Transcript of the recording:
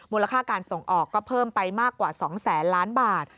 ค่าการส่งออกก็เพิ่มไปมากกว่า๒แสนล้านบาท